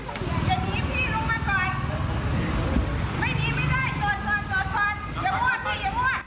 ไม่หนีไม่ได้จอดก่อนอย่ามั่วพี่อย่ามั่ว